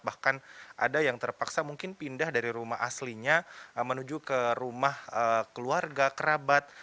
bahkan ada yang terpaksa mungkin pindah dari rumah aslinya menuju ke rumah keluarga kerabat